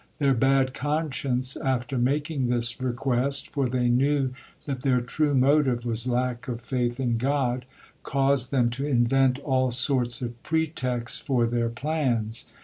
Their bad conscience after making this request for they knew that their true motive was lack of faith in God caused them to invent all sorts of pretexts for their plans.